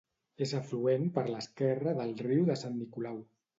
És afluent per l'esquerra del Riu de Sant Nicolau.